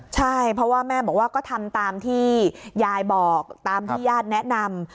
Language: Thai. ใช่เพราะว่าแม่บอกว่าก็ทำตามที่ยายบอกตามที่ญาติแนะนำ